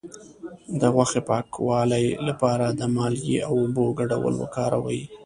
د غوښې د پاکوالي لپاره د مالګې او اوبو ګډول وکاروئ